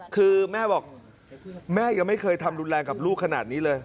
คือแม่บอกแม่ยังไม่เคยทำรุนแรงกับลูกขนาดนี้เลย